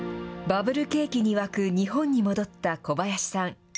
バブル景気に沸く日本に戻った小林さん。